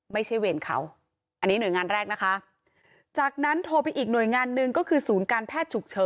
ไม่ใช่เหวรเขา